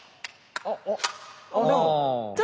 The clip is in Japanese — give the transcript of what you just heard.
あっ！